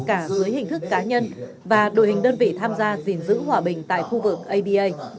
cả dưới hình thức cá nhân và đội hình đơn vị tham gia gìn giữ hòa bình tại khu vực aba